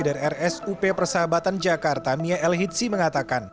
dari rsup persahabatan jakarta mia elhitsi mengatakan